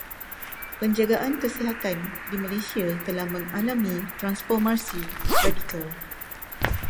Penjagaan kesihatan di Malaysia telah mengalami transformasi radikal.